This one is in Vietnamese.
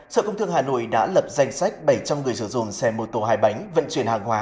sở công thương hà nội đã lập danh sách bảy trăm linh người sử dụng xe mô tô hài bánh vận chuyển hàng hóa